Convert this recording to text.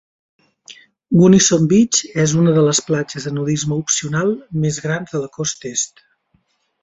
Gunnison Beach és una de les platges de nudisme opcional més grans de la costa est.